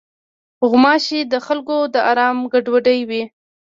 غوماشې د خلکو د آرام ګډوډوي.